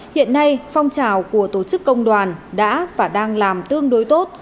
hiện nay phong trào của tổ chức công đoàn đã và đang làm tương đối tốt